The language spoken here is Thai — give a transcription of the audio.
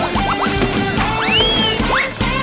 อบตมหาสนุก